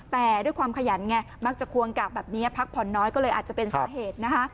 แต่ด้วยความขยันไงมักจะควงกากแบบนี้พักผ่อนน้อยก็เลยอาจจะเป็นสาเหตุนะคะ